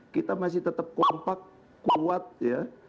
kita masih tetap kompak kuat ya